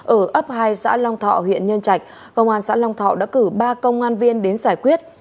ở ấp hai xã long thọ huyện nhân trạch công an xã long thọ đã cử ba công an viên đến giải quyết